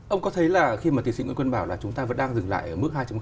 ông có thấy là khi mà tiến sĩ nguyễn quân bảo là chúng ta vẫn đang dừng lại ở mức hai